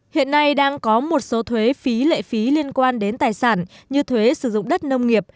hiện nay đang có một số thuế phí lệ phí liên quan đến tài sản như thuế sử dụng đất nông nghiệp